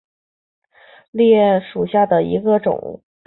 裂叶金盏苣苔为苦苣苔科金盏苣苔属下的一个种。